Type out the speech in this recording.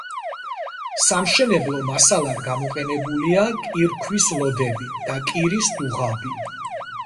სამშენებლო მასალად გამოყენებულია კირქვის ლოდები და კირის დუღაბი.